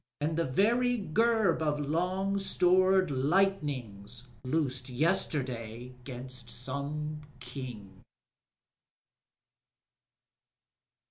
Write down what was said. And the very gerb of long stored lightnings loosed Yesterday 'gainst some King.